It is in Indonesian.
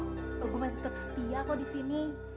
gua masih tetap setia kok disini